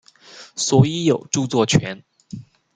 所以有著作權